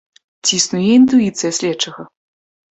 Ці існуе інтуіцыя следчага?